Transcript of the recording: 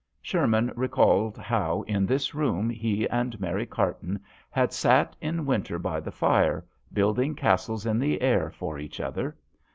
Sherman recalled how in this room he and Mary Carton had. sat in winter by the fire, building castles in the air for each other.